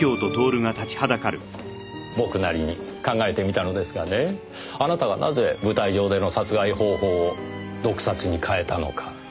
僕なりに考えてみたのですがねぇあなたがなぜ舞台上での殺害方法を毒殺に変えたのか。